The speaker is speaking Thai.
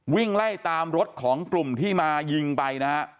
วิ่งไล่ตามรถของกลุ่มที่มายิงไปนะฮะ